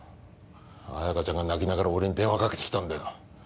綾香ちゃんが泣きながら俺に電話かけてきたんだよ